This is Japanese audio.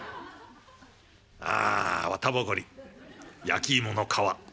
あ綿ぼこり焼き芋の皮。